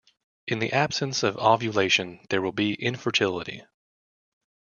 In the absence of ovulation, there will be infertility.